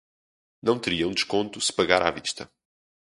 Não teria um desconto se pagar à vista.